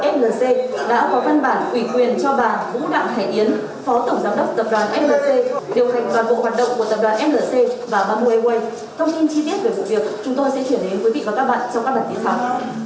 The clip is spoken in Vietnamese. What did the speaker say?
điều hành toàn bộ hoạt động của tập đoàn flc và ba mươi aw thông tin chi tiết về vụ việc chúng tôi sẽ chuyển đến quý vị và các bạn trong các bản tin sau